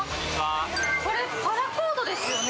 これ、パラコードですよね。